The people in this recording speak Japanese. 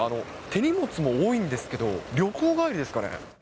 手荷物も多いんですけれども、旅行帰りですかね。